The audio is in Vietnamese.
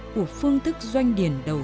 của phương thức doanh điển đầu